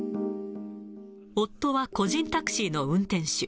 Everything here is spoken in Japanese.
夫は個人タクシーの運転手。